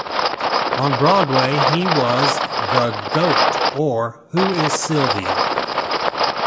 On Broadway, he was in The Goat, or Who Is Sylvia?